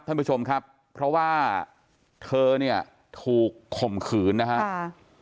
ท่านผู้ชมครับเพราะว่าเธอเนี่ยถูกข่มขืนนะครับ